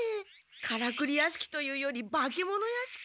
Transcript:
カラクリ屋敷というより化け物屋敷。